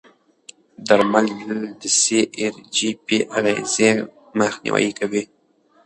درمل د سی ار جي پي اغېزې مخنیوي کوي.